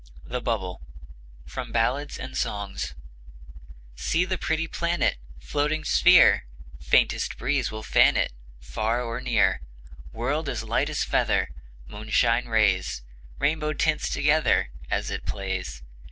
From 'Day and Night Songs.' THE BUBBLE See the pretty planet! Floating sphere! Faintest breeze will fan it Far or near; World as light as feather; Moonshine rays, Rainbow tints together, As it plays.